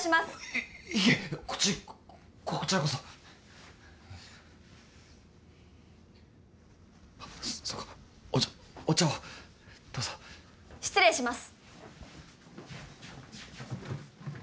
いいえこちこちらこそあっそっかお茶お茶をどうぞ失礼します